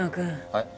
はい？